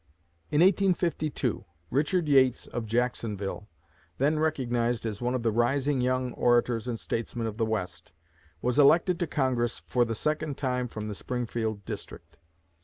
In 1852, Richard Yates of Jacksonville, then recognized as one of the rising young orators and statesmen of the West, was elected to Congress for the second time from the Springfield District.